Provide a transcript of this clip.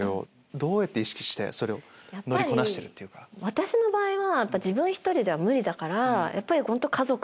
私の場合は。